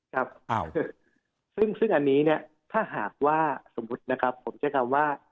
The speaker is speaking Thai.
ครับซึ่งอันนี้เนี่ยถ้าหากว่าสมมุตินะครับผมใช้คำว่า